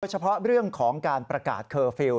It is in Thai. เฉพาะเรื่องของการประกาศเคอร์ฟิลล